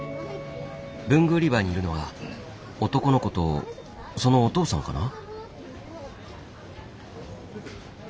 文具売り場にいるのは男の子とそのお父さんかな。